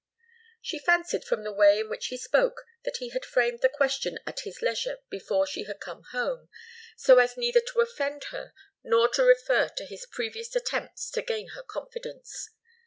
She fancied from the way in which he spoke that he had framed the question at his leisure before she had come home, so as neither to offend her nor to refer to his previous attempts to gain her confidence.